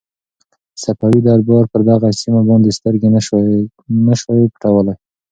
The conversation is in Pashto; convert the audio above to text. صفوي دربار پر دغه سیمه باندې سترګې نه شوای پټولای.